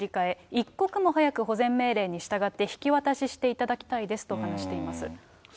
一刻も早く保全命令に従って引き渡ししていただきたいですと話しています。